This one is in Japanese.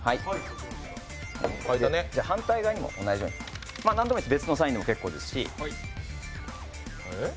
反対側にも同じように何でもいいです、別のサインでも結構ですし。